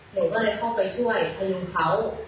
หนูก็เลยเข้าไปช่วยดึงเขา